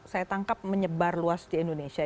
saya tangkap menyebar luas di indonesia